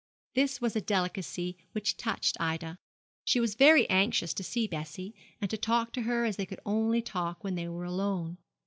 This was a delicacy which touched Ida. She was very anxious to see Bessie, and to talk to her as they could only talk when they were alone.